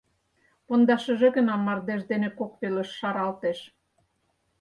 Пондашыже гына мардеж дене кок велыш шаралтеш.